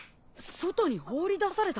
外に放り出された？